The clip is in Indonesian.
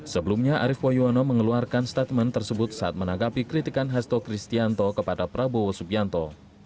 sebelumnya arief poyono mengeluarkan statement tersebut saat menanggapi kritikan hasto kristianto kepada prabowo subianto